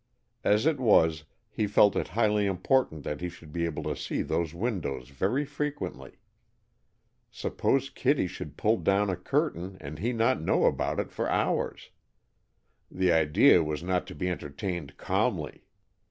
As it was, he felt it highly important that he should be able to see those windows very frequently. Suppose Kitty should pull down a curtain and he not know about it for hours! The idea was not to be entertained calmly.